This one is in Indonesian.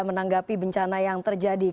menanggapi bencana yang terjadi